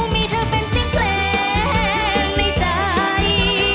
มีเธอเป็นเสียงเพลงในใจ